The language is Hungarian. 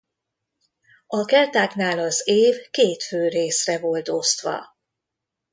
A keltáknál az év két fő részre volt osztva.